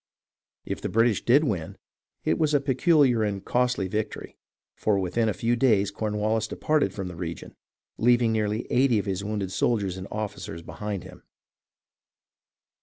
If the British did win, it was a peculiar and costly victory, for within a few days Cornwallis departed from the region, leaving nearly 80 of his wounded soldiers and officers behind him.